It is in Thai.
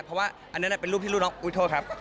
เพราะว่าอันนั้นเป็นรูปที่ลูกน้องอุ้ยโทษครับ